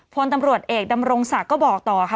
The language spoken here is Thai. พลตำรวจเอกดำรงศักดิ์ก็บอกต่อค่ะ